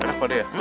enak pade ya